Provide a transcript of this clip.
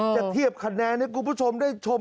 จะเทียบคะแนนให้คุณผู้ชมได้ชม